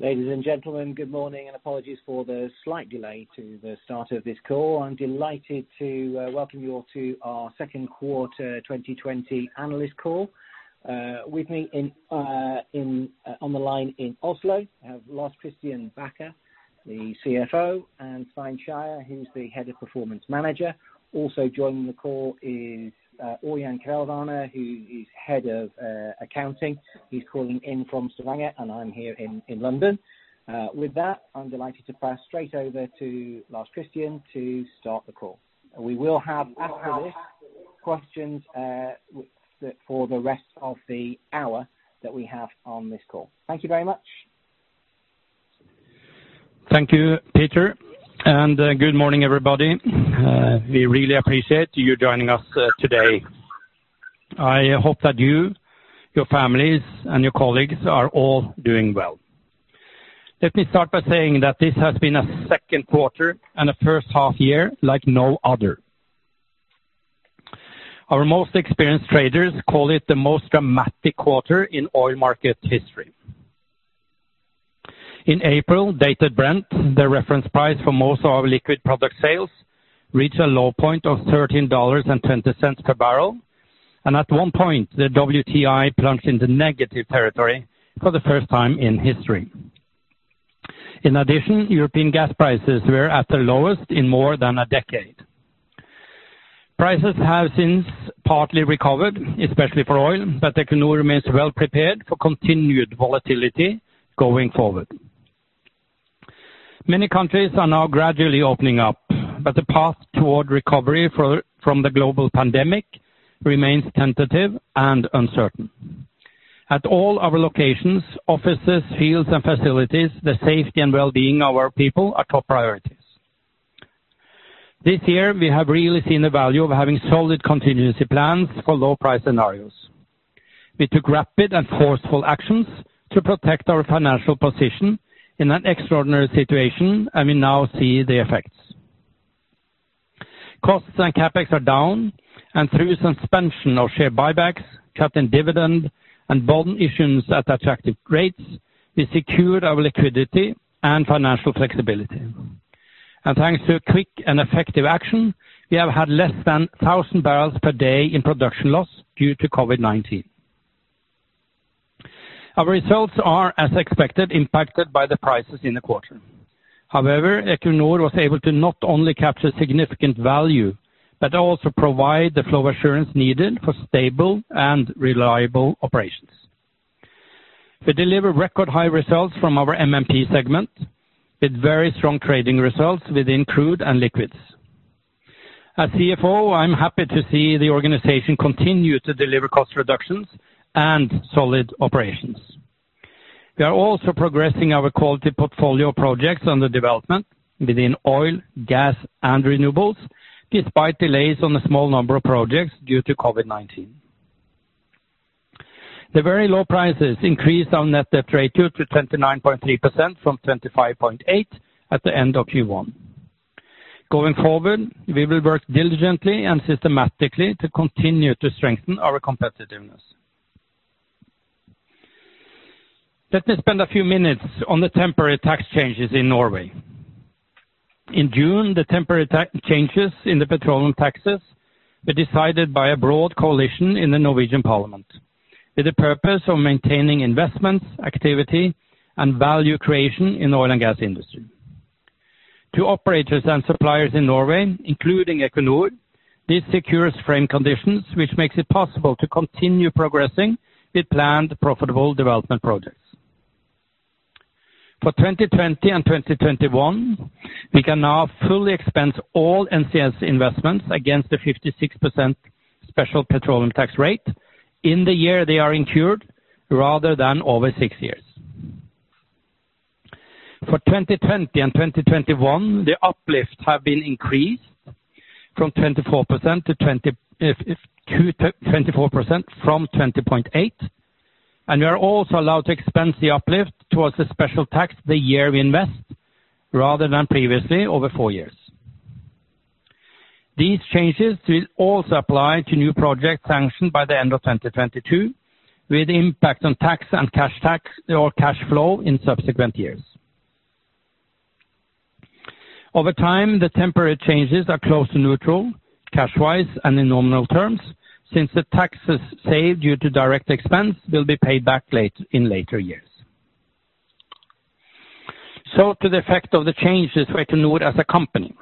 Ladies and gentlemen, good morning. Apologies for the slight delay to the start of this call. I'm delighted to welcome you all to our Q2 2020 Analyst Call. With me on the line in Oslo, I have Lars Christian Bacher, the CFO, and Svein Skeie, who's the Head of Performance Manager. Also joining the call is Ørjan Kvelvane, who is Head of Accounting. He's calling in from Stavanger, and I'm here in London. With that, I'm delighted to pass straight over to Lars Christian to start the call. We will have, after this, questions for the rest of the hour that we have on this call. Thank you very much. Thank you, Peter. Good morning, everybody. We really appreciate you joining us today. I hope that you, your families, and your colleagues are all doing well. Let me start by saying that this has been a Q2 and a H1 year like no other. Our most experienced traders call it the most dramatic quarter in oil market history. In April, Dated Brent, the reference price for most of our liquid product sales, reached a low point of $13.20 per barrel, and at one point, the WTI plunged into negative territory for the first time in history. In addition, European gas prices were at their lowest in more than a decade. Prices have since partly recovered, especially for oil, but Equinor remains well prepared for continued volatility going forward. Many countries are now gradually opening up, but the path toward recovery from the global pandemic remains tentative and uncertain. At all our locations, offices, fields, and facilities, the safety and well-being of our people are top priorities. This year, we have really seen the value of having solid contingency plans for low-price scenarios. We took rapid and forceful actions to protect our financial position in an extraordinary situation, and we now see the effects. Costs and CapEx are down, and through suspension of share buybacks, cut in dividend, and bond issuance at attractive rates, we secured our liquidity and financial flexibility. Thanks to quick and effective action, we have had less than 1,000 barrels per day in production loss due to COVID-19. Our results are, as expected, impacted by the prices in the quarter. However, Equinor was able to not only capture significant value, but also provide the flow assurance needed for stable and reliable operations. We delivered record-high results from our MMP segment, with very strong trading results within crude and liquids. As CFO, I'm happy to see the organization continue to deliver cost reductions and solid operations. We are also progressing our quality portfolio projects under development within oil, gas, and renewables, despite delays on a small number of projects due to COVID-19. The very low prices increased our net debt ratio to 29.3% from 25.8% at the end of Q1. Going forward, we will work diligently and systematically to continue to strengthen our competitiveness. Let me spend a few minutes on the temporary tax changes in Norway. In June, the temporary tax changes in the petroleum taxes were decided by a broad coalition in the Norwegian Parliament with the purpose of maintaining investments, activity, and value creation in the oil and gas industry. To operators and suppliers in Norway, including Equinor, this secures frame conditions, which makes it possible to continue progressing with planned profitable development projects. For 2020 and 2021, we can now fully expense all NCS investments against the 56% special petroleum tax rate in the year they are incurred rather than over six years. For 2020 and 2021, the uplifts have been increased from 24% from 20.8%, and we are also allowed to expense the uplift towards the special tax the year we invest rather than previously over four years. These changes will also apply to new projects sanctioned by the end of 2022, with impact on tax and cash flow in subsequent years. Over time, the temporary changes are close to neutral cash-wise and in nominal terms since the taxes saved due to direct expense will be paid back in later years. To the effect of the changes for Equinor as a company,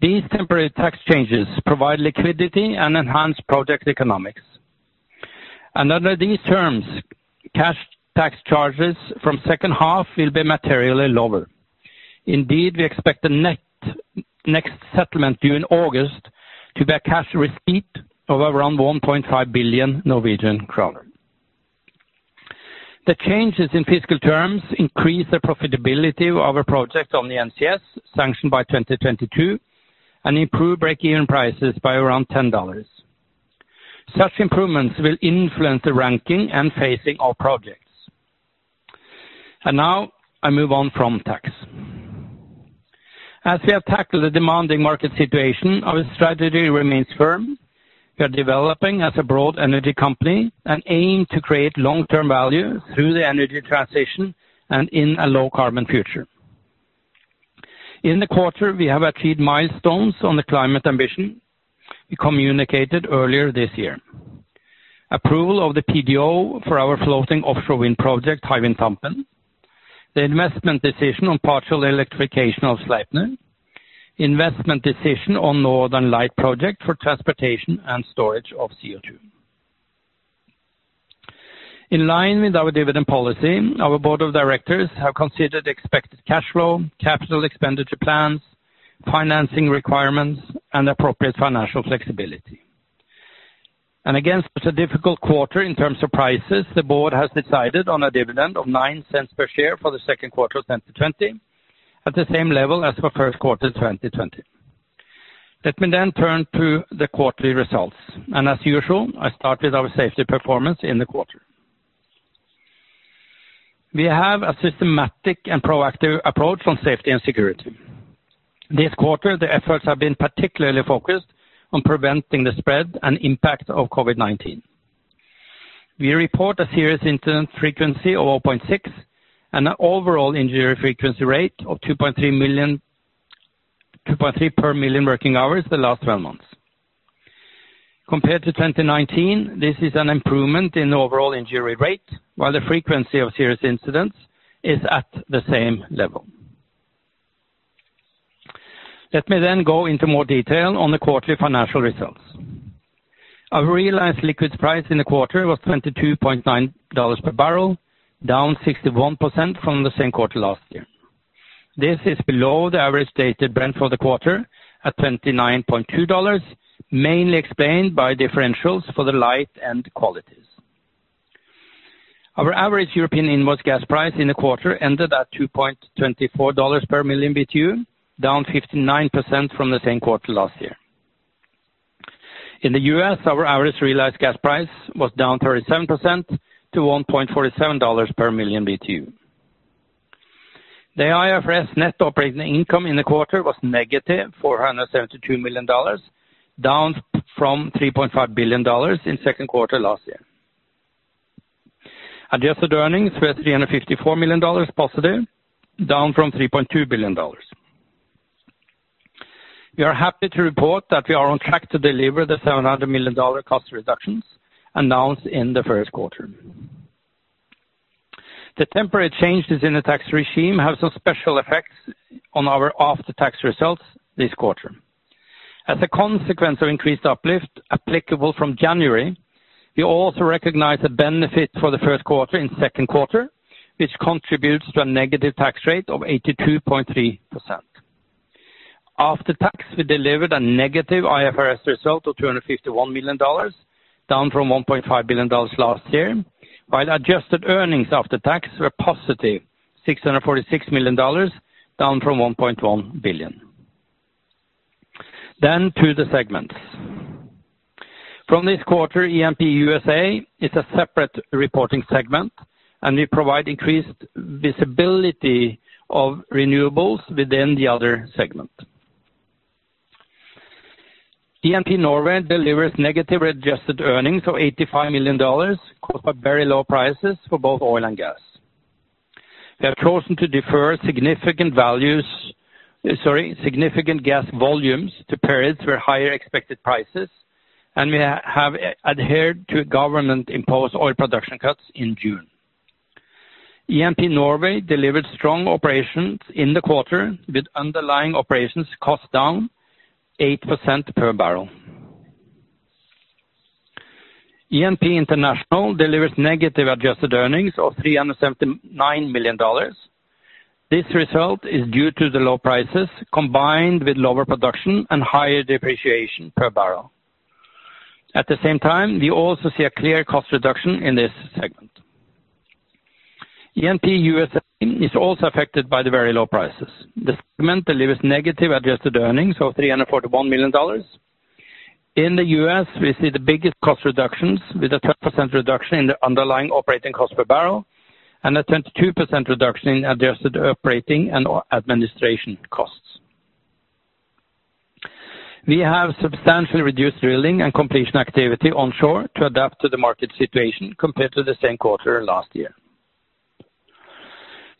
these temporary tax changes provide liquidity and enhance project economics. Under these terms, cash tax charges from H2 will be materially lower. Indeed, we expect the next settlement due in August to be a cash receipt of around 1.5 billion Norwegian crowns. The changes in fiscal terms increase the profitability of our projects on the NCS sanctioned by 2022 and improve break-even prices by around $10. Such improvements will influence the ranking and phasing of projects. Now I move on from tax. As we have tackled the demanding market situation, our strategy remains firm. We are developing as a broad energy company and aim to create long-term value through the energy transition and in a low-carbon future. In the quarter, we have achieved milestones on the climate ambition we communicated earlier this year. Approval of the PDO for our floating offshore wind project, Hywind Tampen, the investment decision on partial electrification of Sleipner, investment decision on Northern Lights project for transportation and storage of CO2. In line with our dividend policy, our board of directors have considered expected cash flow, capital expenditure plans, financing requirements, and appropriate financial flexibility. Against such a difficult quarter in terms of prices, the board has decided on a dividend of 0.09 per share for the Q2 of 2020, at the same level as for Q1 2020. Let me turn to the quarterly results, as usual, I start with our safety performance in the quarter. We have a systematic and proactive approach on safety and security. This quarter, the efforts have been particularly focused on preventing the spread and impact of COVID-19. We report a serious incident frequency of 0.6 and an overall injury frequency rate of 2.3 per million working hours the last 12 months. Compared to 2019, this is an improvement in overall injury rate, while the frequency of serious incidents is at the same level. Let me go into more detail on the quarterly financial results. Our realized liquids price in the quarter was $22.9 per barrel, down 61% from the same quarter last year. This is below the average Dated Brent for the quarter at $29.2, mainly explained by differentials for the light and qualities. Our average European inward gas price in the quarter ended at $2.24 per million BTU, down 59% from the same quarter last year. In the U.S., our average realized gas price was down 37% to $1.47 per million BTU. The IFRS net operating income in the quarter was negative $472 million, down from $3.5 billion in Q2 last year. Adjusted earnings were at $354 million positive, down from $3.2 billion. We are happy to report that we are on track to deliver the $700 million cost reductions announced in the Q1. The temporary changes in the tax regime have some special effects on our after-tax results this quarter. As a consequence of increased uplift applicable from January, we also recognize the benefit for the Q1 and Q2, which contributes to a negative tax rate of 82.3%. After tax, we delivered a negative IFRS result of $251 million, down from $1.5 billion last year, while adjusted earnings after tax were positive $646 million, down from $1.1 billion. To the segments. From this quarter, E&P USA is a separate reporting segment, and we provide increased visibility of renewables within the other segment. E&P Norway delivers negative adjusted earnings of $85 million caused by very low prices for both oil and gas. We have chosen to defer significant gas volumes to periods with higher expected prices, and we have adhered to government-imposed oil production cuts in June. E&P Norway delivered strong operations in the quarter with underlying operations cost down 8% per barrel. E&P International delivers negative adjusted earnings of $379 million. This result is due to the low prices combined with lower production and higher depreciation per barrel. At the same time, we also see a clear cost reduction in this segment. E&P USA is also affected by the very low prices. The segment delivers negative adjusted earnings of $341 million. In the U.S., we see the biggest cost reductions with a 30% reduction in the underlying operating cost per barrel and a 22% reduction in adjusted operating and administration costs. We have substantially reduced drilling and completion activity onshore to adapt to the market situation compared to the same quarter last year.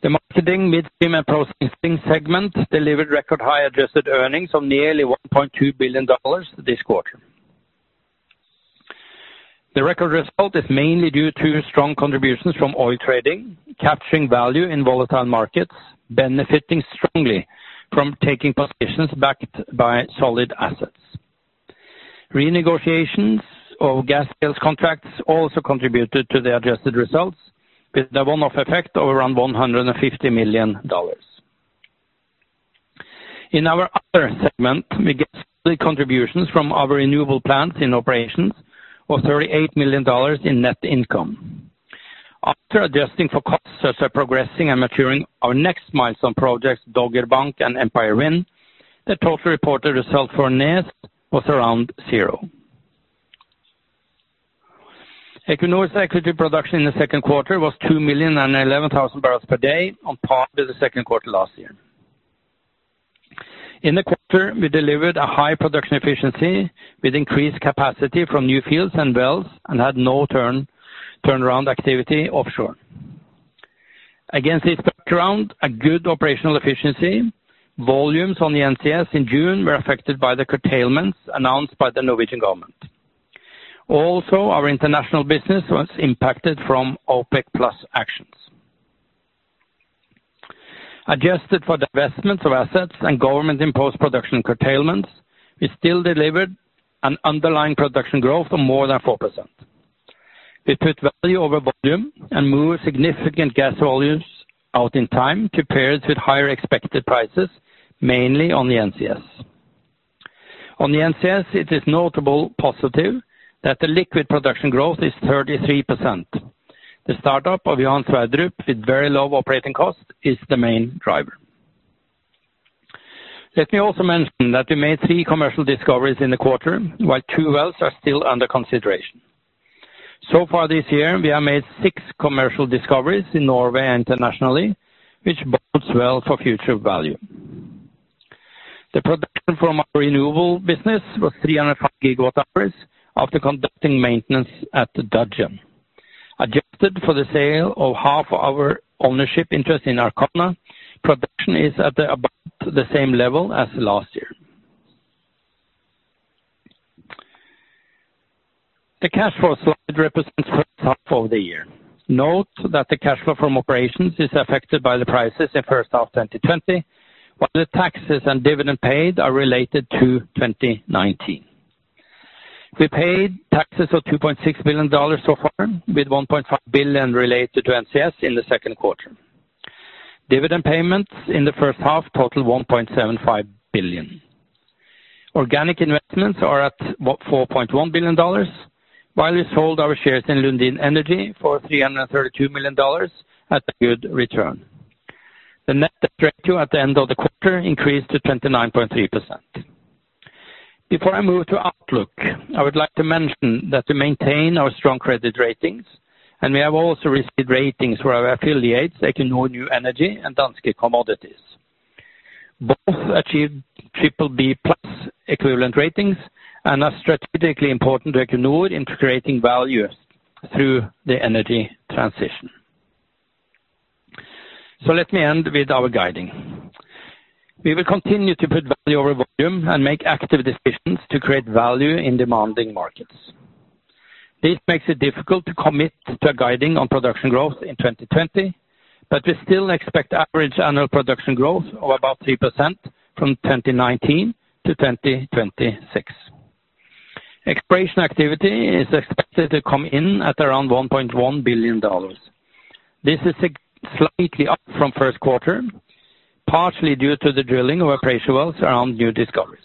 The marketing, midstream, and processing segment delivered record high-adjusted earnings of nearly $1.2 billion this quarter. The record result is mainly due to strong contributions from oil trading, capturing value in volatile markets, benefiting strongly from taking positions backed by solid assets. Renegotiations of gas sales contracts also contributed to the adjusted results with a one-off effect of around $150 million. In our other segment, we get solid contributions from our renewable plants in operations of NOK 38 million in net income. After adjusting for costs such as progressing and maturing our next milestone projects, Dogger Bank and Empire Wind, the total reported result for NEAS was around zero. Equinor's equity production in the Q2 was 2,011,000 barrels per day, on par with the Q2 last year. In the quarter, we delivered a high production efficiency with increased capacity from new fields and wells and had no turnaround activity offshore. Against this background, a good operational efficiency, volumes on the NCS in June were affected by the curtailments announced by the Norwegian government. Our international business was impacted from OPEC+ actions. Adjusted for divestments of assets and government-imposed production curtailments, we still delivered an underlying production growth of more than 4%. We put value over volume and moved significant gas volumes out in time to periods with higher expected prices, mainly on the NCS. On the NCS, it is notably positive that the liquid production growth is 33%. The startup of Johan Sverdrup with very low operating cost is the main driver. Let me also mention that we made three commercial discoveries in the quarter, while two wells are still under consideration. So far this year, we have made six commercial discoveries in Norway internationally, which bodes well for future value. The production from our renewable business was 305 gigawatt hours after conducting maintenance at the Dudgeon. Adjusted for the sale of half our ownership interest in Arkona, production is at about the same level as last year. The cash flow slide represents H1 of the year. Note that the cash flow from operations is affected by the prices in H1 2020, while the taxes and dividend paid are related to 2019. We paid taxes of NOK 2.6 billion so far, with 1.5 billion related to NCS in the Q2. Dividend payments in the H1 total 1.75 billion. Organic investments are at $4.1 billion, while we sold our shares in Lundin Energy for NOK 332 million at a good return. The net debt ratio at the end of the quarter increased to 29.3%. Before I move to outlook, I would like to mention that we maintain our strong credit ratings, and we have also received ratings for our affiliates, Equinor New Energy and Danske Commodities. Both achieved BBB+ equivalent ratings and are strategically important to Equinor in creating value through the energy transition. Let me end with our guiding. We will continue to put value over volume and make active decisions to create value in demanding markets. This makes it difficult to commit to a guiding on production growth in 2020, but we still expect average annual production growth of about 3% from 2019 to 2026. Exploration activity is expected to come in at around NOK 1.1 billion. This is slightly up from Q1, partially due to the drilling of appraisal wells around new discoveries.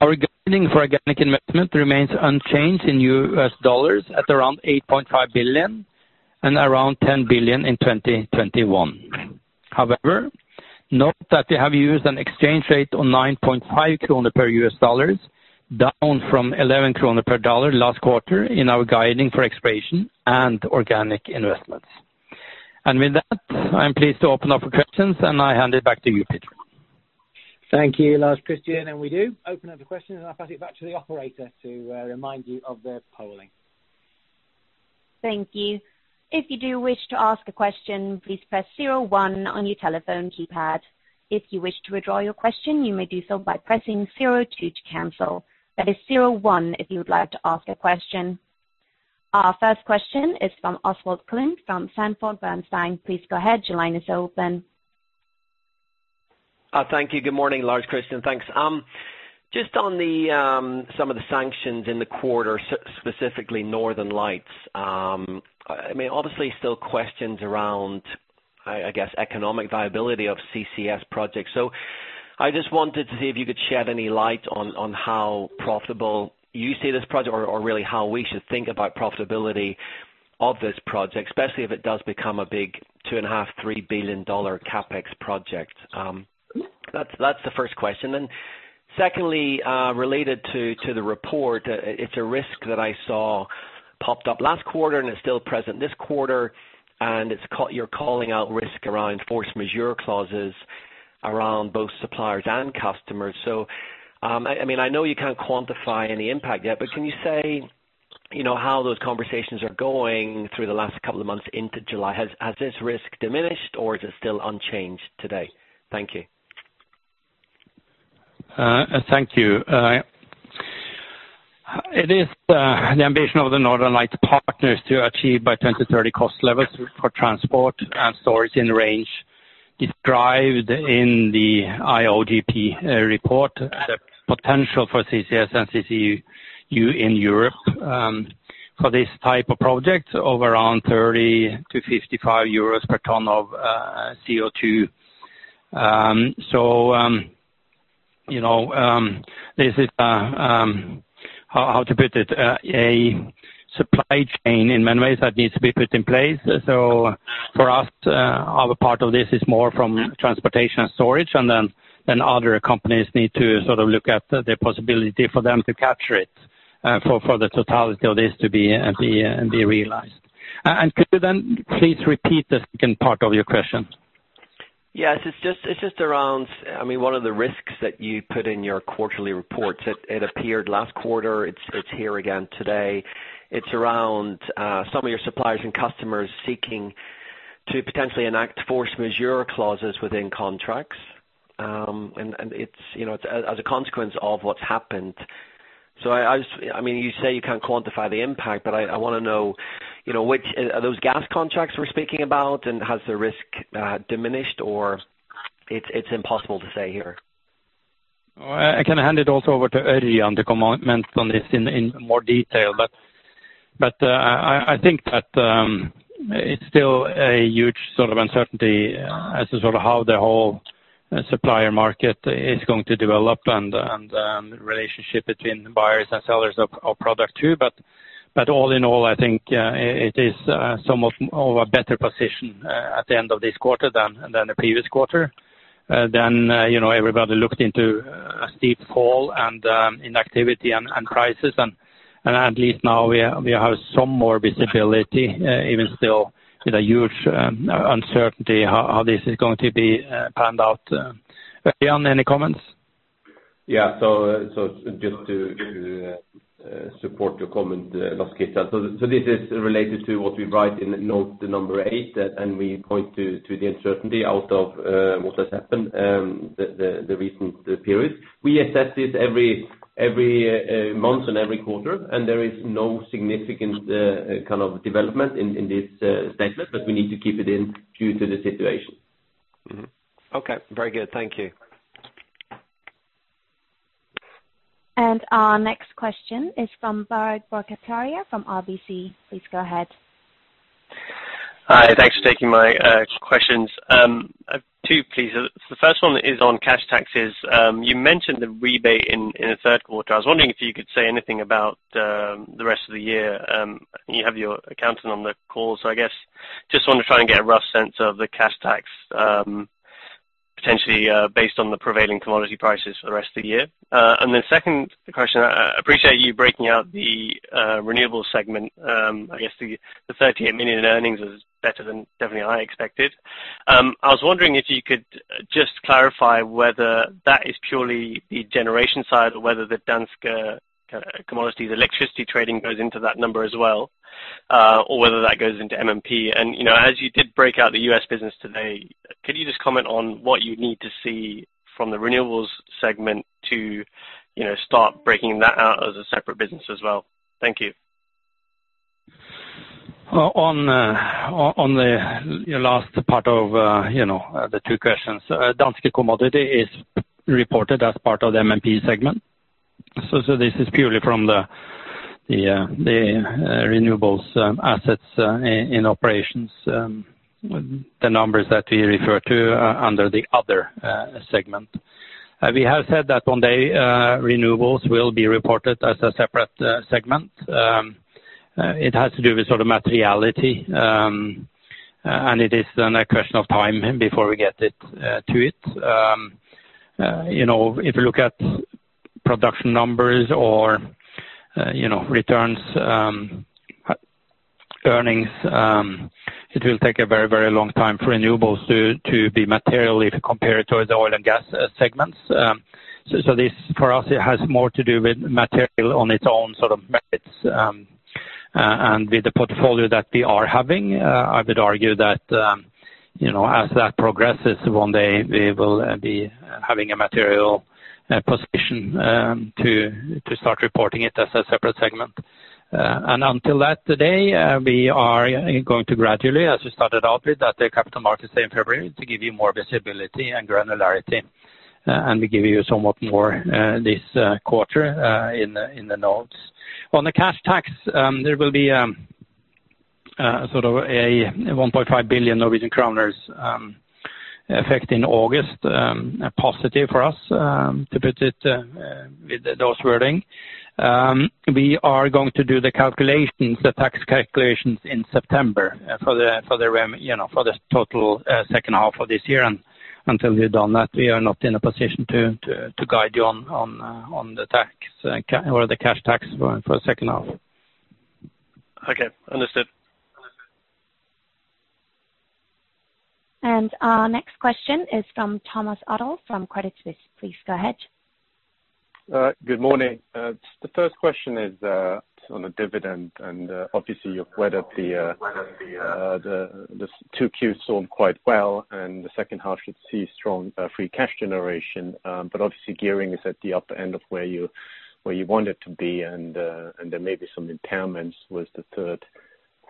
Our guiding for organic investment remains unchanged in US dollars at around $8.5 billion and around $10 billion in 2021. Note that we have used an exchange rate on 9.5 kroner per U.S. dollar, down from 11 kroner per dollar last quarter in our guiding for exploration and organic investments. With that, I am pleased to open up for questions, and I hand it back to you, Peter. Thank you, Lars Christian. We do open up the questions, and I'll pass it back to the operator to remind you of the polling. Thank you. If you do wish to ask a question, please press zero one on your telephone keypad. If you wish to withdraw your question, you may do so by pressing zero two to cancel. That is zero one if you would like to ask a question. Our first question is from Oswald Clint from Sanford Bernstein. Please go ahead. Your line is open. Thank you. Good morning, Lars Christian, thanks. Just on some of the sanctions in the quarter, specifically Northern Lights. I mean, obviously, still questions around, I guess, economic viability of CCS projects. I just wanted to see if you could shed any light on how profitable you see this project or really how we should think about profitability of this project, especially if it does become a big 2.5, $3 billion CapEx project. That's the first question. Secondly, related to the report, it's a risk that I saw popped up last quarter, and it's still present this quarter, and you're calling out risk around force majeure clauses around both suppliers and customers. I know you can't quantify any impact yet, but can you say how those conversations are going through the last couple of months into July? Has this risk diminished, or is it still unchanged today? Thank you. Thank you. It's the ambition of the Northern Lights partners to achieve by 2030 cost levels for transport and storage in range. It's derived in the IOGP report, the potential for CCS and CCU in Europe for this type of project of around 30 to 55 euros per ton of CO2. How to put it? A supply chain in many ways that needs to be put in place. For us, our part of this is more from transportation and storage, and then other companies need to look at the possibility for them to capture it for the totality of this to be realized. Could you then please repeat the second part of your question? Yes. It's just around one of the risks that you put in your quarterly reports. It appeared last quarter. It's here again today. It's around some of your suppliers and customers seeking to potentially enact force majeure clauses within contracts as a consequence of what's happened. You say you can't quantify the impact, but I want to know, are those gas contracts we're speaking about, and has the risk diminished, or it's impossible to say here? I can hand it also over to Örjan to comment on this in more detail. I think that it's still a huge uncertainty as to how the whole supplier market is going to develop and relationship between buyers and sellers of product too. All in all, I think it is somewhat of a better position at the end of this quarter than the previous quarter. Everybody looked into a steep fall and inactivity and crisis, and at least now we have some more visibility, even still with a huge uncertainty how this is going to be panned out. Örjan, any comments? Just to support your comment, Lars Christian. This is related to what we write in note number eight, and we point to the uncertainty out of what has happened the recent period. We assess this every month and every quarter, and there is no significant kind of development in this statement, but we need to keep it in due to the situation. Okay. Very good. Thank you. Our next question is from Biraj Borkhataria from RBC. Please go ahead. Hi. Thanks for taking my questions. Two, please. The first one is on cash taxes. You mentioned the rebate in the Q3. I was wondering if you could say anything about the rest of the year. You have your accountant on the call, so I guess just want to try and get a rough sense of the cash tax potentially based on the prevailing commodity prices for the rest of the year. The second question, I appreciate you breaking out the renewables segment. I guess the 38 million in earnings was better than definitely I expected. I was wondering if you could just clarify whether that is purely the generation side or whether the Danske Commodities electricity trading goes into that number as well. Whether that goes into MMP. As you did break out the US business today, could you just comment on what you need to see from the renewables segment to start breaking that out as a separate business as well? Thank you. On your last part of the two questions, Danske Commodities is reported as part of the MMP segment. This is purely from the renewables assets in operations, the numbers that we refer to under the other segment. We have said that one day renewables will be reported as a separate segment. It has to do with materiality, and it is then a question of time before we get to it. If you look at production numbers or returns earnings, it will take a very long time for renewables to be materially compared towards the oil and gas segments. This for us, it has more to do with material on its own sort of merits. With the portfolio that we are having, I would argue that as that progresses, one day we will be having a material position to start reporting it as a separate segment. Until that day, we are going to gradually, as we started out with at the Capital Markets Day in February, to give you more visibility and granularity. We give you somewhat more this quarter in the notes. On the cash tax, there will be sort of a 1.5 billion Norwegian kroner effect in August, positive for us, to put it with those wording. We are going to do the tax calculations in September for the total H2 of this year. Until we've done that, we are not in a position to guide you on the tax or the cash tax for H2. Okay. Understood. Our next question is from Thomas Adolff from Credit Suisse. Please go ahead. Good morning. The first question is on the dividend, and obviously you've read up the Q2 saw quite well and the H2 should see strong free cash generation. Obviously gearing is at the upper end of where you want it to be and there may be some impairments with the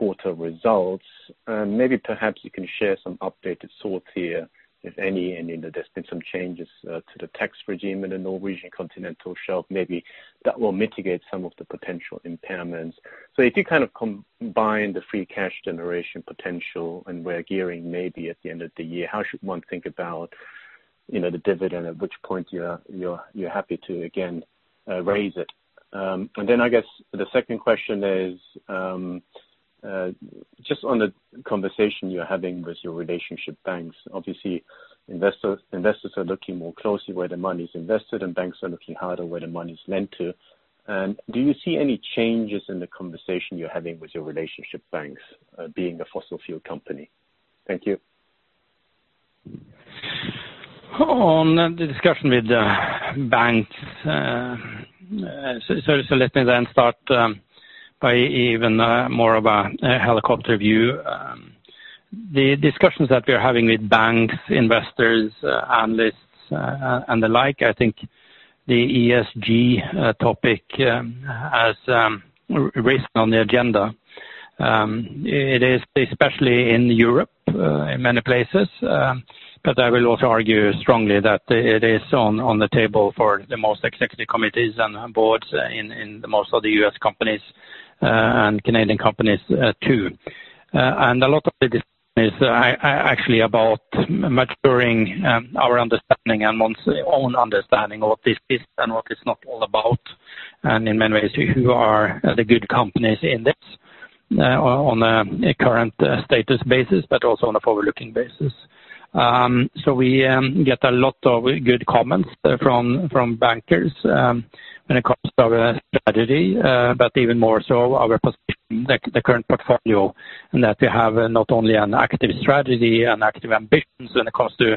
Q3 results. Maybe perhaps you can share some updated thoughts here, if any, and there's been some changes to the tax regime in the Norwegian Continental Shelf, maybe that will mitigate some of the potential impairments. If you kind of combine the free cash generation potential and where gearing may be at the end of the year, how should one think about the dividend, at which point you're happy to, again, raise it. Then, I guess the second question is just on the conversation you're having with your relationship banks. Investors are looking more closely where the money's invested, and banks are looking harder where the money's lent to. Do you see any changes in the conversation you're having with your relationship banks being a fossil fuel company? Thank you. On the discussion with the banks. Let me start by even more of a helicopter view. The discussions that we're having with banks, investors, analysts, and the like, I think the ESG topic has risen on the agenda. It is especially in Europe, in many places. I will also argue strongly that it is on the table for the most executive committees and boards in the most of the U.S. companies and Canadian companies, too. A lot of the discussion is actually about maturing our understanding and one's own understanding of what this is and what it's not all about. In many ways, who are the good companies in this on a current status basis, but also on a forward-looking basis. We get a lot of good comments from bankers when it comes to our strategy, but even more so our position, the current portfolio, and that we have not only an active strategy and active ambitions when it comes to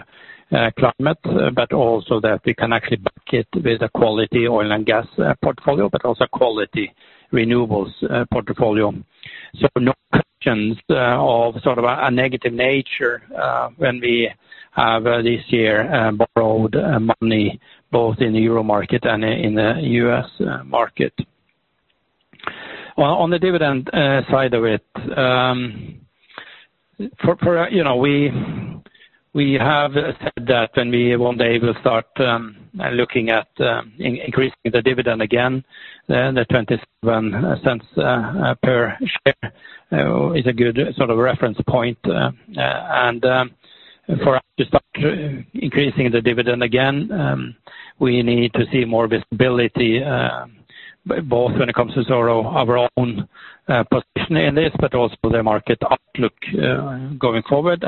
climate, but also that we can actually back it with a quality oil and gas portfolio, but also quality renewables portfolio. No questions of sort of a negative nature when we have this year borrowed money both in the EUR market and in the U.S. market. On the dividend side of it. We have said that when we one day will start looking at increasing the dividend again, the 0.27 per share is a good sort of reference point. For us to start increasing the dividend again, we need to see more visibility, both when it comes to our own position in this, but also the market outlook going forward.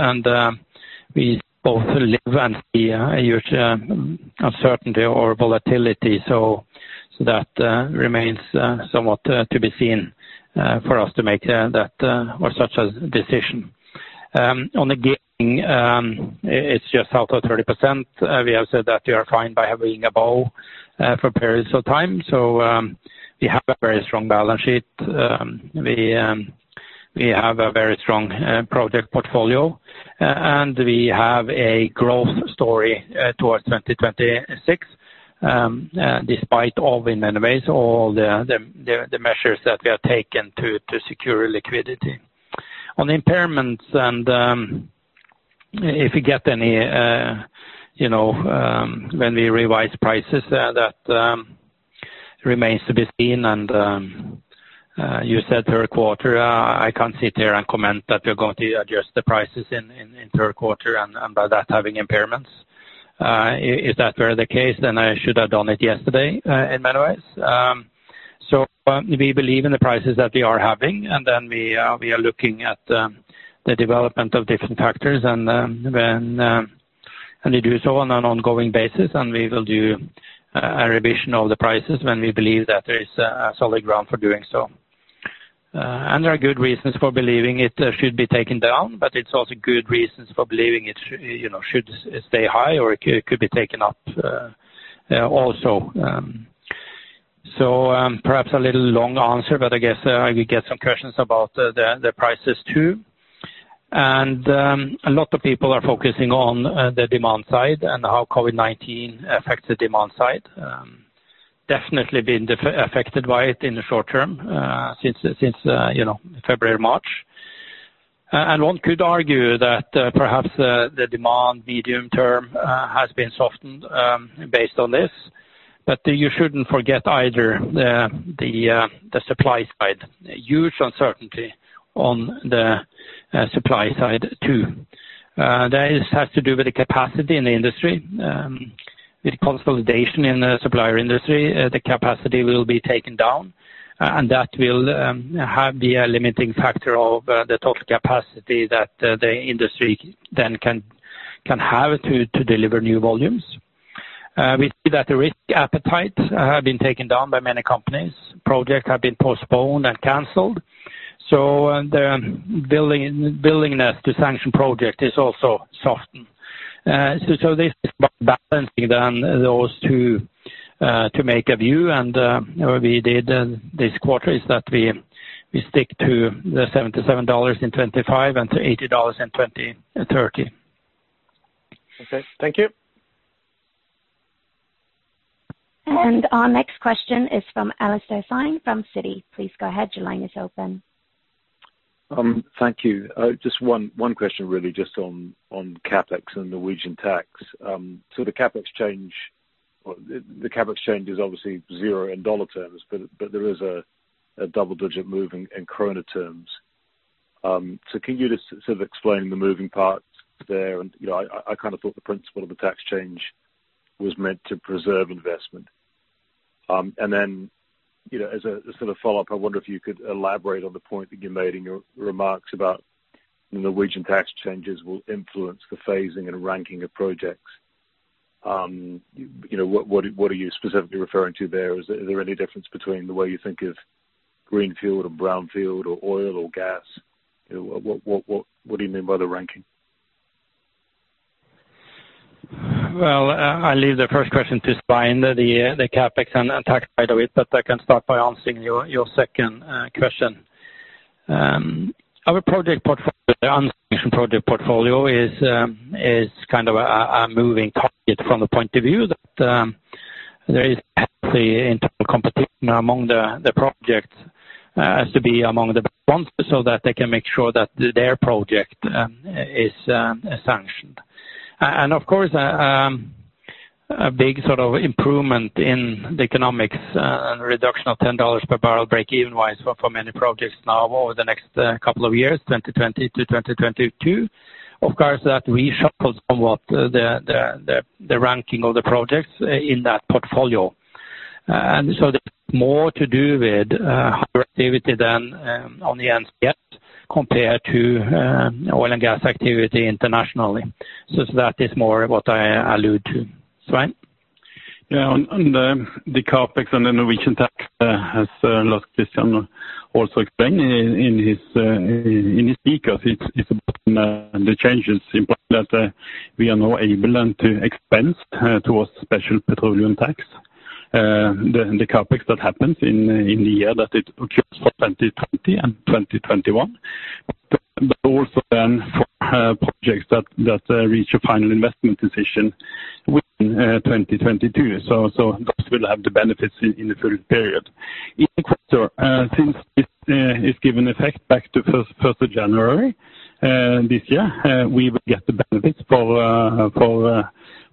We both live and see a huge uncertainty or volatility. That remains somewhat to be seen for us to make that or such a decision. On the gearing, it's just out of 30%. We have said that we are fine by having a bow for periods of time. We have a very strong balance sheet. We have a very strong project portfolio. We have a growth story towards 2026. Despite all, in many ways, all the measures that we have taken to secure liquidity. On impairments and if we get any when we revise prices, that remains to be seen. You said Q3, I can't sit here and comment that we're going to adjust the prices in Q3 and by that having impairments. If that were the case, then I should have done it yesterday in many ways. We believe in the prices that we are having, and then we are looking at the development of different factors and we do so on an ongoing basis, and we will do a revision of the prices when we believe that there is a solid ground for doing so. There are good reasons for believing it should be taken down, but it's also good reasons for believing it should stay high or it could be taken up also. Perhaps a little long answer, but I guess I could get some questions about the prices too. A lot of people are focusing on the demand side and how COVID-19 affects the demand side. Definitely been affected by it in the short term since February, March. One could argue that perhaps the demand medium term has been softened based on this. You shouldn't forget either the supply side. Huge uncertainty on the supply side too. That has to do with the capacity in the industry, with consolidation in the supplier industry, the capacity will be taken down, and that will have the limiting factor of the total capacity that the industry then can have to deliver new volumes. We see that the risk appetite have been taken down by many companies. Projects have been postponed and canceled. The willingness to sanction project is also softened. This is about balancing then those two to make a view. What we did this quarter is that we stick to the $77 in 2025 and to $80 in 2030. Okay. Thank you. Our next question is from Alastair Syme from Citi. Please go ahead. Your line is open. Thank you. Just one question really just on CapEx and Norwegian tax. The CapEx change is obviously zero in USD terms, but there is a double-digit move in NOK terms. Can you just explain the moving parts there? I thought the principle of a tax change was meant to preserve investment. Then, as a follow-up, I wonder if you could elaborate on the point that you made in your remarks about Norwegian tax changes will influence the phasing and ranking of projects. What are you specifically referring to there? Is there any difference between the way you think of greenfield or brownfield or oil or gas? What do you mean by the ranking? Well, I'll leave the first question to Svein, the CapEx and tax side of it, but I can start by answering your second question. Our unsanctioned project portfolio is a moving target from the point of view that there is intense competition among the projects has to be among the best ones, so that they can make sure that their project is sanctioned. Of course, a big improvement in the economics and reduction of NOK 10 per barrel break-even wise for many projects now over the next couple of years, 2020 to 2022. Of course, that reshuffles somewhat the ranking of the projects in that portfolio. There's more to do with higher activity than on the NCS compared to oil and gas activity internationally. That is more what I allude to. Svein? On the CapEx and the Norwegian tax, Lars also explained in his ECA. About the changes, importantly, that we are now able to expense towards special petroleum tax. The CapEx that happens in the year that it occurs for 2020 and 2021, also then for projects that reach a final investment decision within 2022. Those will have the benefits in the future period. In the quarter, since it's given effect back to 1st of January this year, we will get the benefits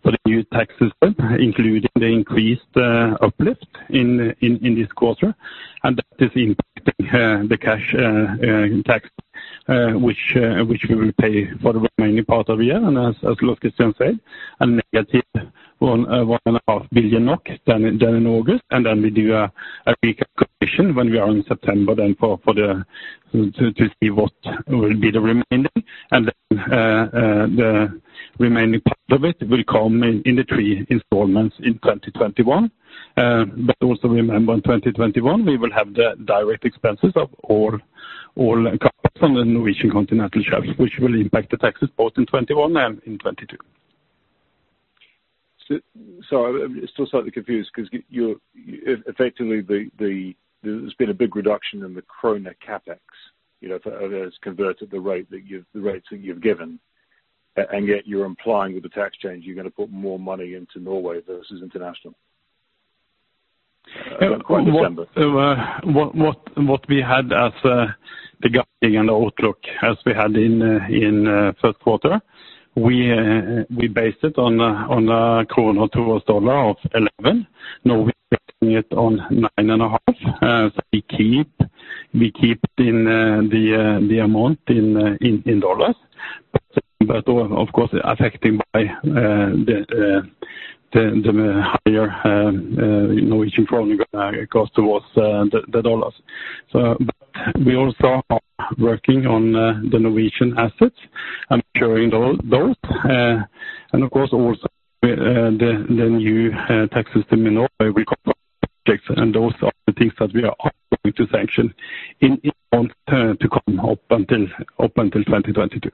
for the new tax system, including the increased uplift in this quarter. That is impacting the cash tax which we will pay for the remaining part of the year. As Lars Christian said, a negative 1.5 billion NOK than in August. We do a recapitalization when we are in September, then to see what will be the remaining. The remaining part of it will come in the three installments in 2021. Also remember, in 2021, we will have the direct expenses of all CapEx on the Norwegian Continental Shelf, which will impact the taxes both in 2021 and in 2022. Sorry, I'm still slightly confused because effectively there's been a big reduction in the NOK CapEx, as converted the rates that you've given, and yet you're implying with the tax change, you're going to put more money into Norway versus International come December. What we had as the guiding and outlook as we had in Q1, we based it on the NOK to US dollar of 11. We're basing it on 9.5. We keep the amount in dollars. Of course, affected by the higher Norwegian kroner cost towards the dollars. We also are working on the Norwegian assets and maturing those. Of course, also the new tax system in Norway will cover objects, and those are the things that we are going to sanction in months to come up until 2022.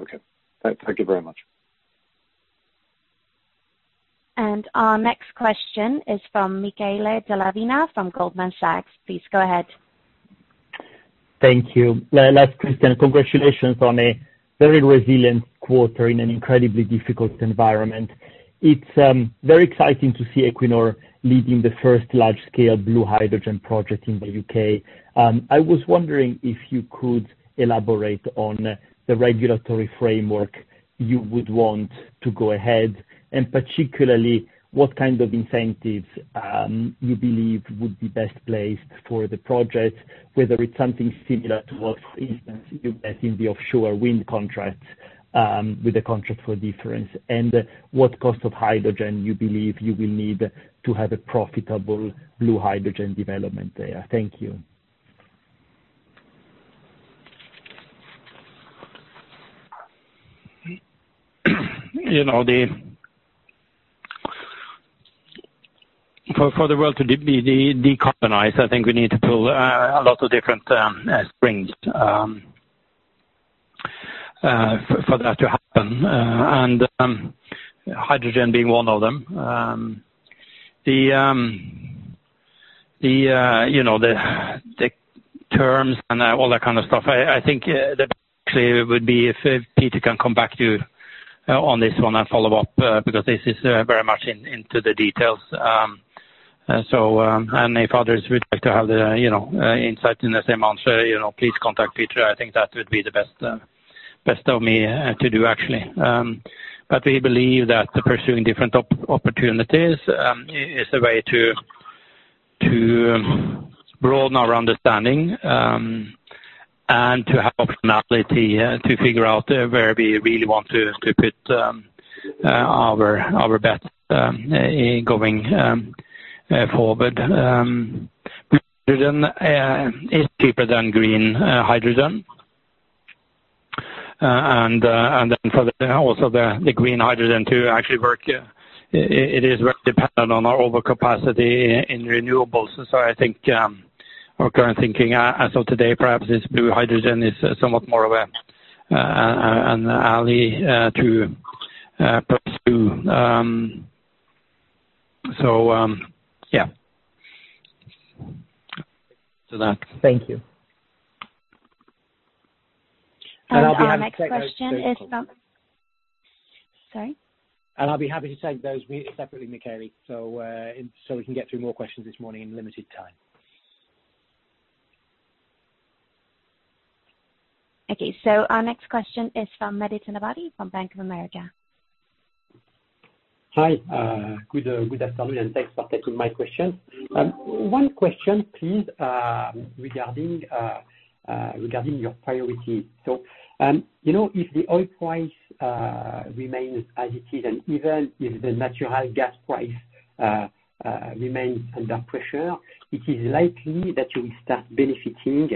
Okay. Thank you very much. Our next question is from Michele Della Vigna from Goldman Sachs. Please go ahead. Thank you. Lars Christian, congratulations on a very resilient quarter in an incredibly difficult environment. It's very exciting to see Equinor leading the first large-scale blue hydrogen project in the U.K. I was wondering if you could elaborate on the regulatory framework you would want to go ahead, particularly, what kind of incentives you believe would be best placed for the project, whether it's something similar to what, for instance, you have in the offshore wind contracts with a contract for difference. What cost of hydrogen you believe you will need to have a profitable blue hydrogen development there. Thank you. For the world to decarbonize, I think we need to pull a lot of different springs for that to happen, and hydrogen being one of them. The terms and all that kind of stuff, I think the best way would be if Peter can come back to you on this one and follow up, because this is very much into the details. If others would like to have the insight in the same answer, please contact Peter. I think that would be the best of me to do, actually. We believe that pursuing different opportunities is a way to broaden our understanding, and to have optionality to figure out where we really want to put our bets going forward. Blue hydrogen is cheaper than green hydrogen. For also the green hydrogen to actually work, it is very dependent on our over capacity in renewables. I think our current thinking as of today, perhaps, is blue hydrogen is somewhat more of an alley to pursue. Thank you. I'll be happy to take those. Our next question is from, Sorry. I'll be happy to take those separately, Michele, so we can get through more questions this morning in limited time. Okay, our next question is from Mehdi Tabbabi from Bank of America. Hi. Good afternoon, and thanks for taking my question. One question, please, regarding your priorities. If the oil price remains as it is, and even if the natural gas price remains under pressure, it is likely that you will start benefiting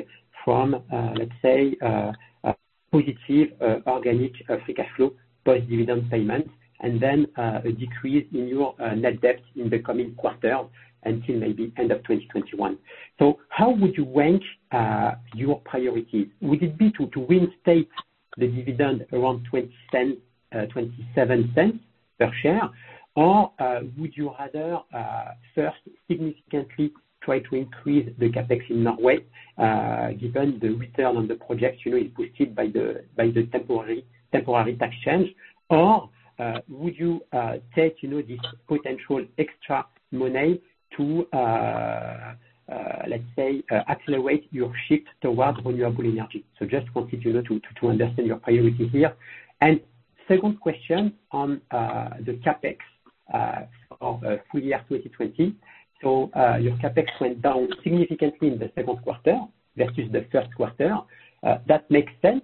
from, let's say, a positive organic free cash flow post-dividend payment, and then a decrease in your net debt in the coming quarter until maybe end of 2021. How would you rank your priorities? Would it be to reinstate the dividend around 0.27 per share, or would you rather first significantly try to increase the CapEx in that way given the return on the project is boosted by the temporary tax change? Would you take this potential extra money to, let's say, accelerate your shift towards renewable energy? Just wanted to understand your priority here. Second question on the CapEx of full year 2020. Your CapEx went down significantly in the Q2 versus the Q1. That makes sense.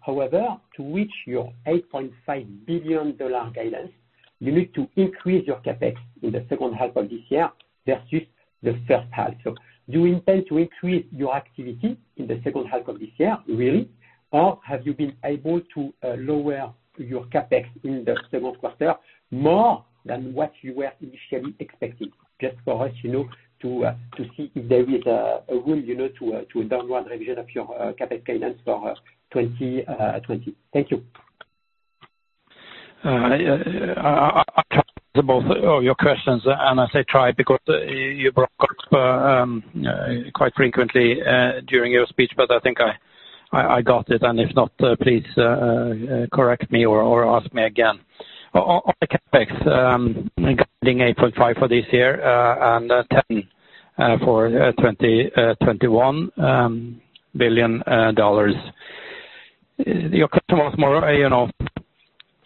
However, to reach your $8.5 billion guidance, you need to increase your CapEx in the H2 of this year versus the H1. Do you intend to increase your activity in the H2 of this year, really? Or have you been able to lower your CapEx in the Q2 more than what you were initially expecting? Just for us to see if there is a room to a downward revision of your CapEx guidance for 2020. Thank you. I'll try to answer both of your questions, and I say try because you brought quite frequently during your speech, but I think I got it, and if not, please correct me or ask me again. On the CapEx, regarding $8.5 billion for this year and $10 billion for 2021. Your question was more,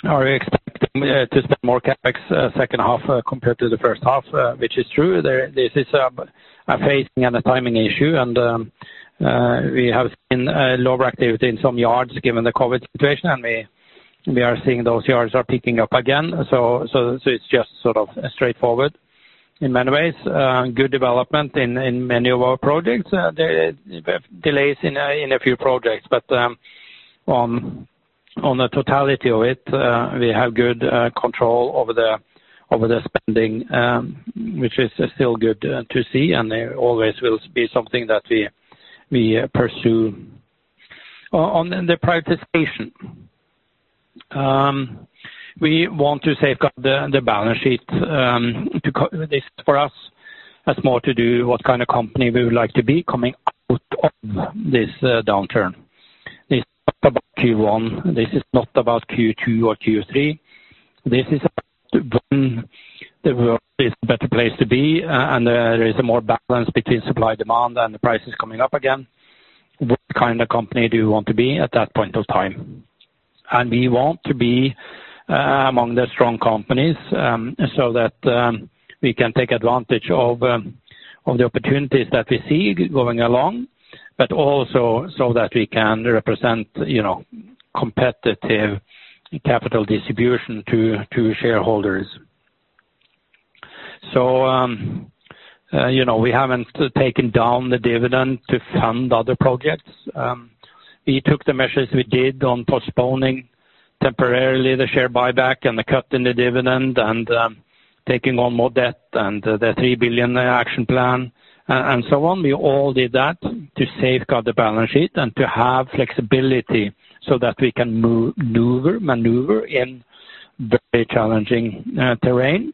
are we expecting to spend more CapEx H2 compared to the H1, which is true. This is a phasing and a timing issue. We have seen lower activity in some yards given the COVID situation. We are seeing those yards are picking up again. It's just sort of straightforward in many ways. Good development in many of our projects. Delays in a few projects. On the totality of it, we have good control over the spending, which is still good to see, and always will be something that we pursue. On the prioritization. We want to safeguard the balance sheet. This, for us, has more to do what kind of company we would like to be coming out of this downturn. This is not about Q1, this is not about Q2 or Q3. This is about when the world is a better place to be, and there is a more balance between supply, demand, and the prices coming up again. What kind of company do you want to be at that point of time? We want to be among the strong companies, so that we can take advantage of the opportunities that we see going along, but also so that we can represent competitive capital distribution to shareholders. We haven't taken down the dividend to fund other projects. We took the measures we did on postponing temporarily the share buyback and the cut in the dividend and taking on more debt and the 3 billion action plan and so on. We all did that to safeguard the balance sheet and to have flexibility so that we can maneuver in very challenging terrain.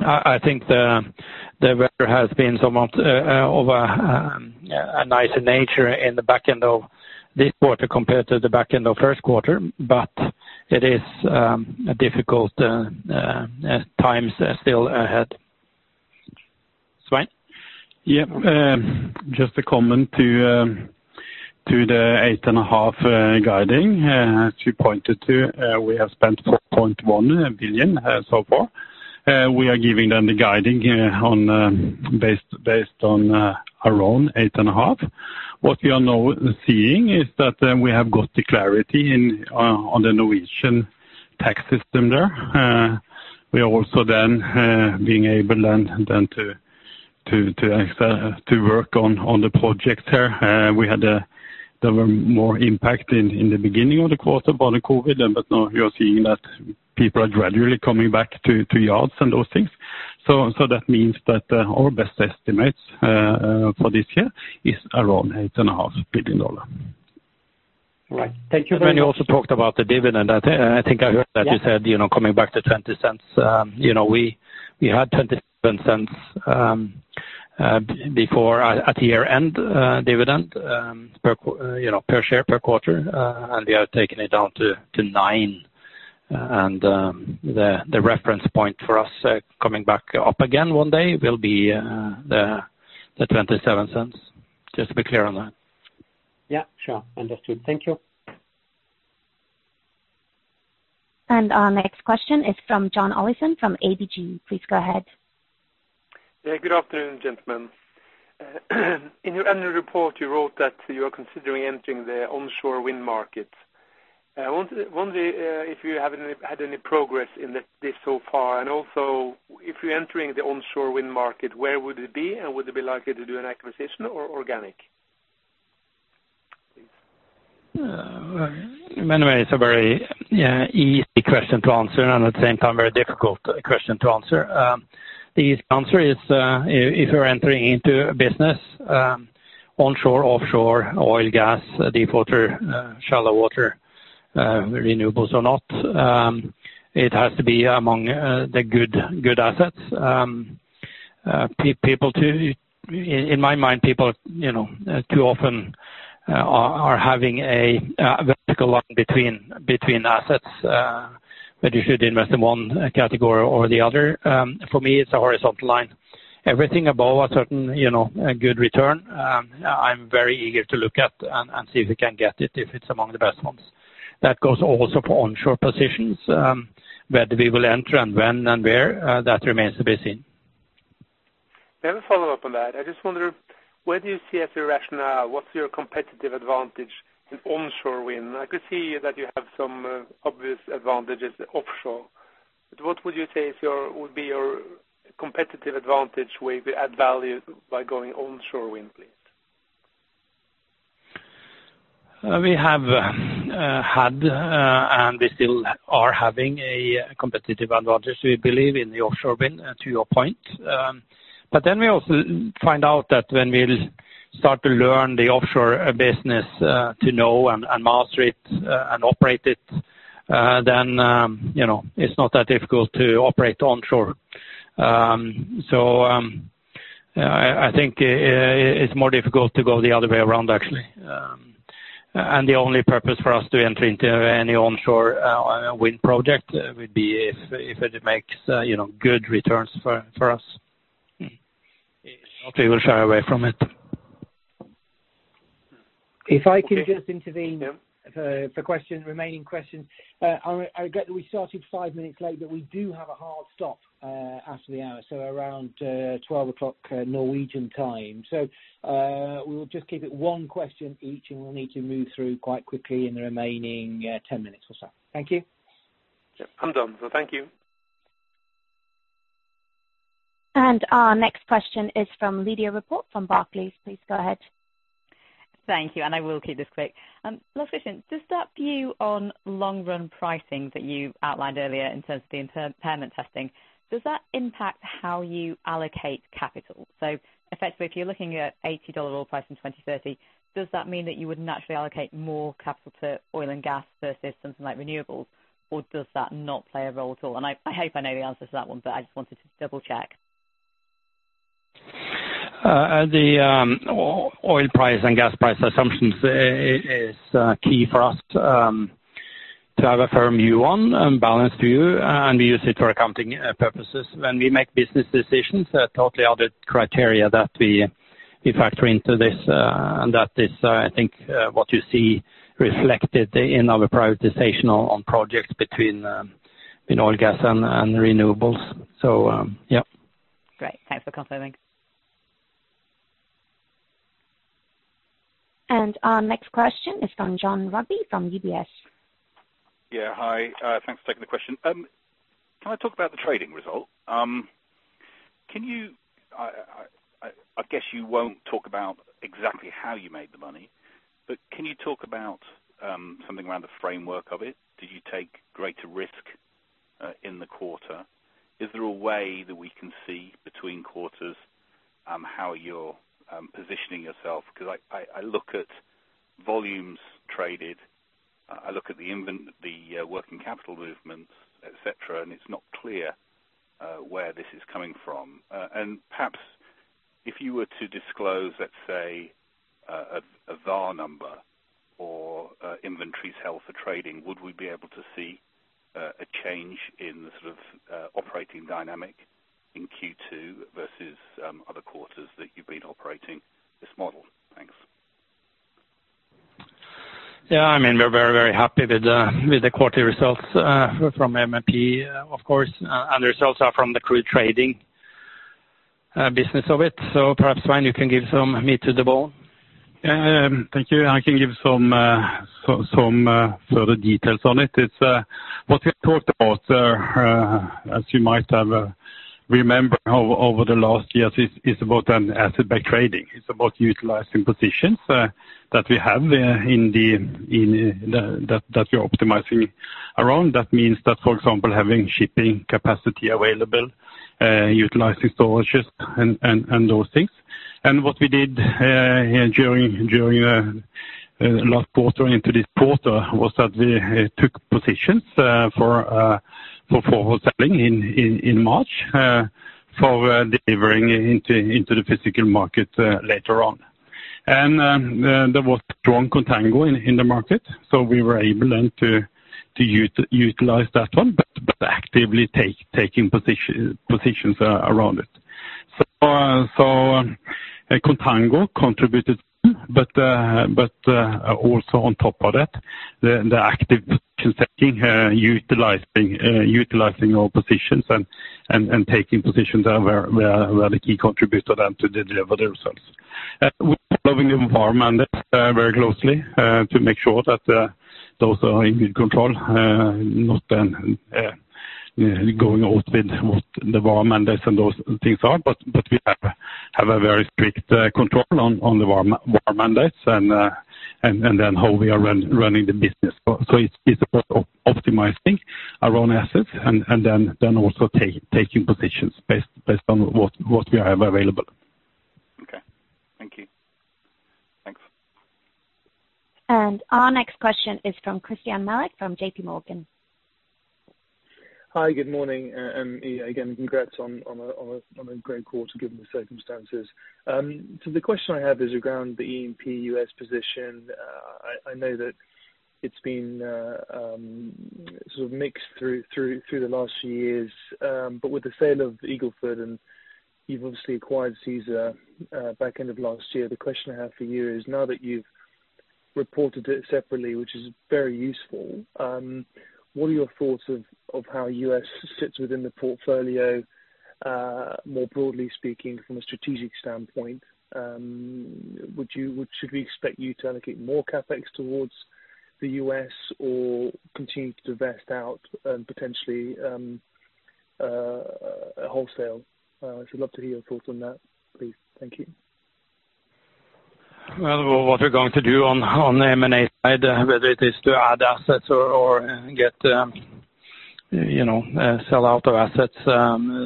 I think the weather has been somewhat of a nicer nature in the back end of this quarter compared to the back end of Q1. It is a difficult times still ahead. Svein? Yes. Just a comment to the 8.5 guiding. As you pointed to, we have spent $4.1 billion so far. We are giving them the guiding based on around 8.5. What we are now seeing is that we have got the clarity on the Norwegian tax system there. We are also then being able then to work on the project there. There were more impact in the beginning of the quarter upon the COVID, now we are seeing that people are gradually coming back to yards and those things. That means that our best estimates for this year is around $8.5 billion. Right. Thank you very much. You also talked about the dividend. I think I heard that you said, coming back to 0.20. We had 0.27 before at year-end dividend per share per quarter, and we have taken it down to 0.09. The reference point for us coming back up again one day will be the 0.27. Just to be clear on that. Yeah, sure. Understood. Thank you. Our next question is from John Olaisen from ABG. Please go ahead. Yeah, good afternoon, gentlemen. In your annual report, you wrote that you are considering entering the onshore wind market. I wonder if you have had any progress in this so far. Also, if you're entering the onshore wind market, where would it be, and would it be likely to do an acquisition or organic? Please. In many ways, a very easy question to answer, and at the same time, very difficult question to answer. The easy answer is, if you're entering into a business onshore, offshore, oil, gas, deep water, shallow water, renewables or not, it has to be among the good assets. In my mind, people too often are having a vertical line between assets that you should invest in one category or the other. For me, it's a horizontal line. Everything above a certain good return, I'm very eager to look at and see if we can get it if it's among the best ones. That goes also for onshore positions. Whether we will enter and when and where, that remains to be seen. May I have a follow-up on that? I just wonder where do you see as your rationale? What's your competitive advantage in onshore wind? I could see that you have some obvious advantages offshore, but what would you say would be your competitive advantage where you could add value by going onshore wind, please? We have had and we still are having a competitive advantage, we believe, in the offshore wind, to your point. We also find out that when we'll start to learn the offshore business to know and master it and operate it, then it's not that difficult to operate onshore. I think it's more difficult to go the other way around, actually. The only purpose for us to enter into any onshore wind project would be if it makes good returns for us. If not, we will shy away from it. If I can just intervene. Yeah. For remaining questions. I get that we started five minutes late, we do have a hard stop after the hour, around 12:00 Norwegian time. We will just keep it one question each, and we'll need to move through quite quickly in the remaining 10 minutes or so. Thank you. Yes. I'm done. Thank you. Our next question is from Lydia Rainforth from Barclays. Please go ahead. Thank you. I will keep this quick. Last question. Does that view on long run pricing that you outlined earlier in terms of the impairment testing, does that impact how you allocate capital? Effectively, if you are looking at $80 oil price in 2030, does that mean that you would naturally allocate more capital to oil and gas versus something like renewables, or does that not play a role at all? I hope I know the answer to that one. I just wanted to double check. The oil price and gas price assumptions is key for us to have a firm view on, a balanced view, and we use it for accounting purposes. When we make business decisions, there are totally other criteria that we factor into this, and that is, I think, what you see reflected in our prioritization on projects between oil and gas and renewables, yes. Great. Thanks for confirming. Our next question is from Jon Rigby from UBS. Yeah. Hi. Thanks for taking the question. Can I talk about the trading result? I guess you won't talk about exactly how you made the money, but can you talk about something around the framework of it? Did you take greater risk in the quarter? Is there a way that we can see between quarters how you're positioning yourself? Because I look at volumes traded, I look at the working capital movements, et cetera, and it's not clear where this is coming from. Perhaps if you were to disclose, let's say, a VaR number or inventory sales for trading, would we be able to see a change in the sort of operating dynamic in Q2 versus other quarters that you've been operating this model? Thanks. Yeah. We're very happy with the quarterly results from MMP, of course. The results are from the crude trading business of it. Perhaps, Svein, you can give some meat to the bone. Thank you. I can give some further details on it. It's what we talked about. As you might have remembered over the last years, it's about an asset by trading. It's about utilizing positions that we have, that we are optimizing around. That means that, for example, having shipping capacity available, utilizing storages and those things. What we did here during last quarter into this quarter was that we took positions for selling in March for delivering into the physical market later on. There was strong contango in the market, we were able then to utilize that one, but actively taking positions around it. Contango contributed, but also on top of that, the active position-taking, utilizing our positions and taking positions where they key contributor then to deliver the results. We are following the VaR mandates very closely to make sure that those are in good control. Not going out with what the VaR mandates and those things are, but we have a very strict control on the VaR mandates and then how we are running the business. It's a part of optimizing around assets and then also taking positions based on what we have available. Okay. Thank you. Thanks. Our next question is from Christyan Malek from JPMorgan. Hi, good morning. Congrats on a great quarter given the circumstances. The question I have is around the E&P US position. I know that it's been sort of mixed through the last few years. With the sale of Eagle Ford, and you've obviously acquired Caesar back end of last year. The question I have for you is, now that you've reported it separately, which is very useful, what are your thoughts of how U.S. sits within the portfolio? More broadly speaking from a strategic standpoint, should we expect you to allocate more CapEx towards the U.S. or continue to divest out and potentially wholesale? I would love to hear your thoughts on that, please. Thank you. Well, what we're going to do on the M&A side, whether it is to add assets or sell out our assets,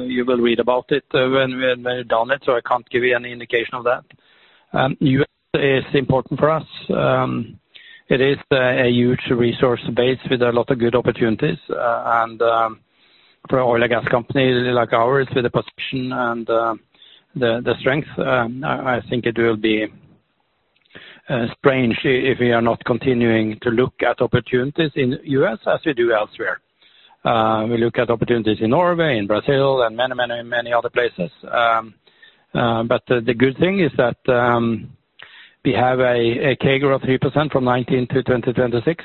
you will read about it when we have done it. I can't give you any indication of that. U.S. is important for us. It is a huge resource base with a lot of good opportunities. For oil and gas companies like ours, with the position and the strength, I think it will be strange if we are not continuing to look at opportunities in U.S. as we do elsewhere. We look at opportunities in Norway, in Brazil, and many other places. The good thing is that we have a CAGR of 3% from 2019 to 2026.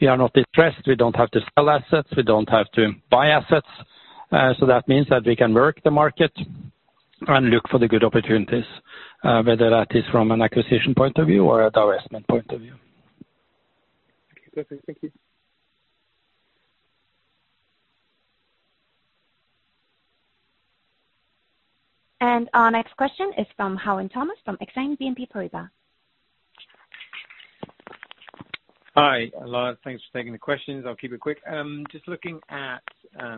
We are not distressed. We don't have to sell assets. We don't have to buy assets. That means that we can work the market and look for the good opportunities, whether that is from an acquisition point of view or a divestment point of view. Okay, perfect. Thank you. Our next question is from Tom Mathias from BNP Paribas Exane. Hi, Lars. Thanks for taking the questions. I'll keep it quick. Just looking at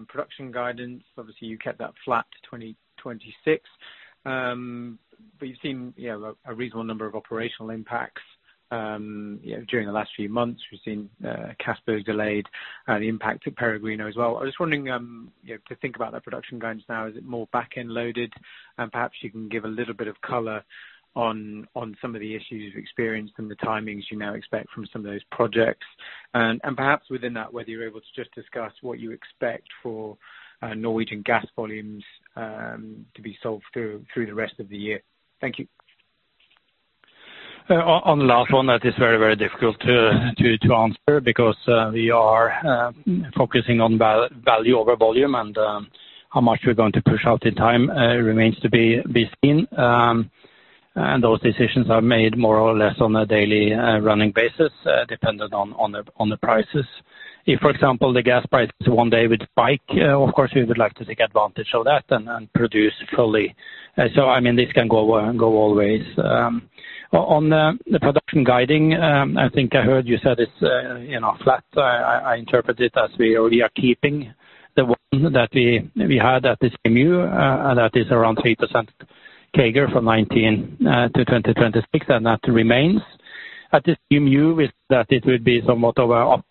production guidance. Obviously, you kept that flat to 2026. You've seen a reasonable number of operational impacts during the last few months. We've seen Castberg delayed, the impact at Peregrino as well. I was wondering to think about that production guidance now. Is it more back-end loaded? Perhaps you can give a little bit of color on some of the issues you've experienced and the timings you now expect from some of those projects. Perhaps within that, whether you're able to just discuss what you expect for Norwegian gas volumes to be sold through the rest of the year. Thank you. On the last one, that is very difficult to answer because we are focusing on value over volume and how much we are going to push out in time remains to be seen. Those decisions are made more or less on a daily running basis, dependent on the prices. If, for example, the gas prices one day would spike, of course we would like to take advantage of that and produce fully. This can go all ways. On the production guiding, I think I heard you said it is flat. I interpret it as we are keeping the one that we had at this CMU, and that is around 3% CAGR from 2019 to 2026, and that remains. At this CMU, that it would be somewhat of a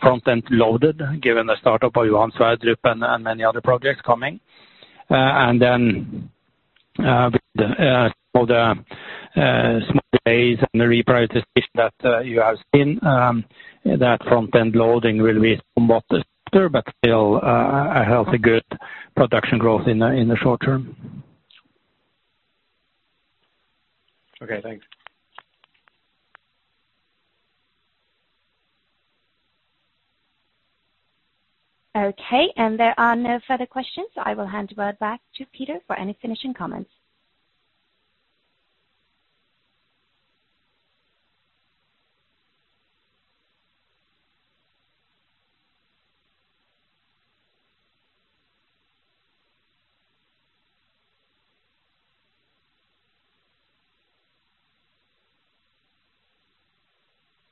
front-end loaded given the startup of Johan Sverdrup and many other projects coming. With all the small delays and the reprices that you have seen, that front-end loading will be somewhat disturbed, but still a healthy, good production growth in the short term. Okay, thanks. Okay, there are no further questions. I will hand it back to Peter for any finishing comments.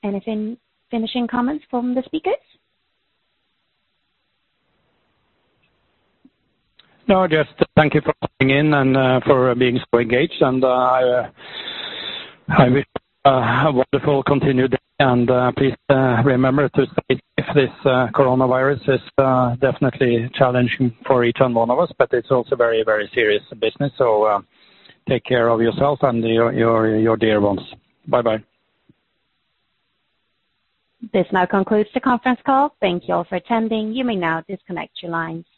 Anything, finishing comments from the speakers? Just thank you for calling in and for being so engaged, and I wish you a wonderful continued day. Please remember to stay safe. This coronavirus is definitely challenging for each one of us, but it's also very serious business. Take care of yourself and your dear ones. Bye. This now concludes the conference call. Thank you all for attending. You may now disconnect your lines.